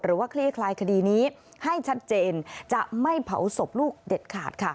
คลี่คลายคดีนี้ให้ชัดเจนจะไม่เผาศพลูกเด็ดขาดค่ะ